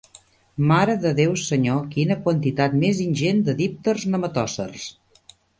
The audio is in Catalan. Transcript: Mare de Déu Senyor, quina quantitat més ingent de dípters nematòcers!